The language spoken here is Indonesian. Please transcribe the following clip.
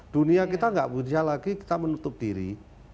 dunia kita gak punya lagi kita menutup diri